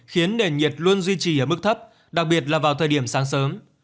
khiến nền nhiệt luôn duy trì ở mức thấp đặc biệt là vào thời điểm sáng sớm